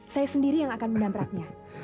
saya sendiri yang akan menabraknya